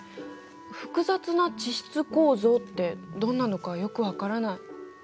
「複雑な地質構造」ってどんなのかよく分からない。